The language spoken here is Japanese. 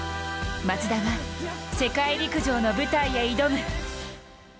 松田は、世界陸上の舞台へ挑む。